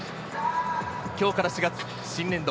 今日から４月、新年度。